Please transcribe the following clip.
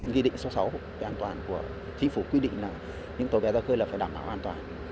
ghi định số sáu về an toàn của thí phủ quy định là những tàu cá ra khơi là phải đảm bảo an toàn